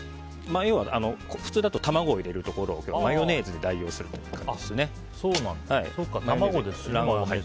要は普通だと卵を入れるところを今日はマヨネーズで代用するということですね。